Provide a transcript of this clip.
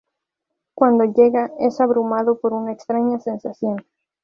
Cuando llega, es abrumado por una extraña sensación.